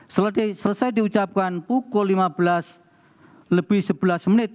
selesai diucapkan pukul lima belas lebih sebelas menit